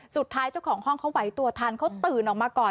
เจ้าของห้องเขาไหวตัวทันเขาตื่นออกมาก่อน